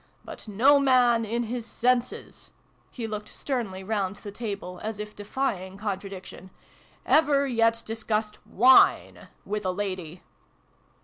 But no man, in his senses " (he looked sternly round the table, as if defying contradiction) " ever yet discussed WINE with a lady